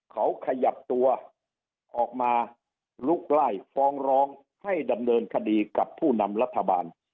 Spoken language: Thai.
เขาขยับตัวออกมาลุกไล่ฟ้องร้องให้ดำเนินคดีกับผู้นำรัฐบาล